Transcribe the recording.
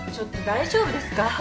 大丈夫ですか？